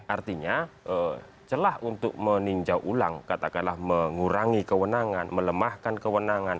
artinya celah untuk meninjau ulang katakanlah mengurangi kewenangan melemahkan kewenangan